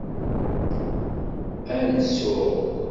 Ad nsuɣ.